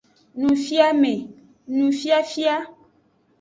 Nufiame, nufiafia.